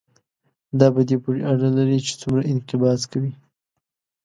دا په دې پورې اړه لري چې څومره انقباض کوي.